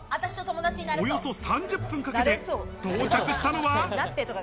およそ３０分かけて到着したのは。